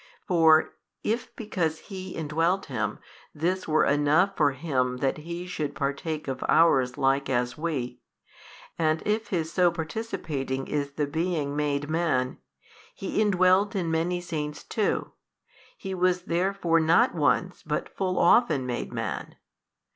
For if because He indwelt him, this were enough for Him that He should partake of ours like as we, and if His so participating is the being made man: He indwelt in many saints too: He was therefore not once but full often made man.